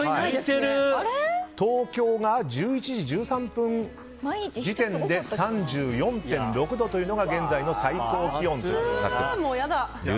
東京が１１時１３分時点で３４．６度というのが現在の最高気温となっています。